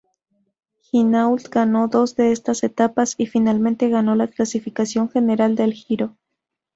Hinault ganó dos de esas etapas y finalmente ganó la clasificación general del Giro.